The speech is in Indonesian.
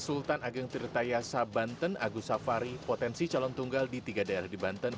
sultan ageng tirta yasa banten agus safari potensi calon tunggal di tiga daerah di banten